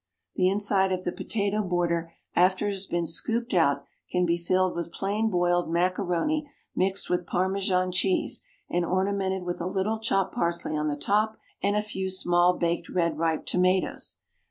The inside of the potato border after it has been scooped out can be filled with plain boiled macaroni mixed with Parmesan cheese, and ornamented with a little chopped parsley on the top and a few small baked red ripe tomatoes.